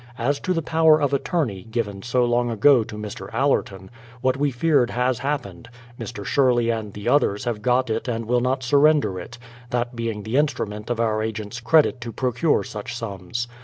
As to the power of attorney, given so long ago to Mr. Allerton, what we feared has happened : Mr. Sherley and the others have got it and will not surrender it, that being the instru ment of our agents* credit to procure such sums.